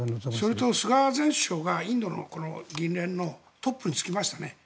それと菅前総理がインドの議連のトップに就きましたね。